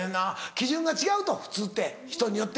基準が違うと普通って人によって。